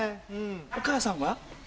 お母さんは？